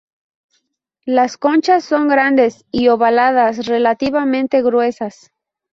Las conchas son grandes y ovaladas, relativamente gruesas.